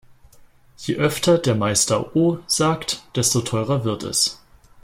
Je öfter der Meister "oh" sagt, desto teurer wird es.